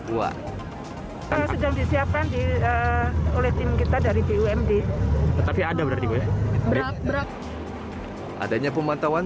dan sedang disiapkan oleh tim kita dari bumd tetapi ada berarti berat berat adanya pemantauan